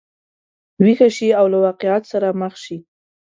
ویښه شي او له واقعیت سره مخ شي.